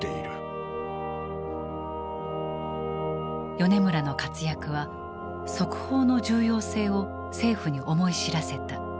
米村の活躍は速報の重要性を政府に思い知らせた。